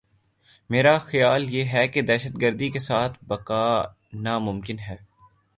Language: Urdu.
میرا خیال یہ ہے کہ دہشت گردی کے ساتھ بقا ناممکن ہے۔